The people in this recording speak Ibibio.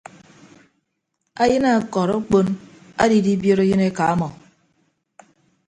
Ayịn ọkọd akpon adidibiot ayịn eka ọmọ.